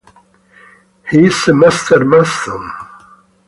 He is a Master Mason.